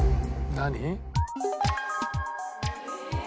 何？